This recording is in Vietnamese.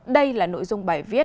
đây là nội dung bài viết